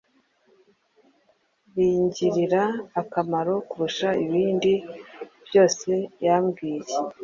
ringirira akamaro kurusha ibindi byose yambwiye.